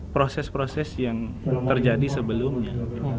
proses proses yang terjadi sebelumnya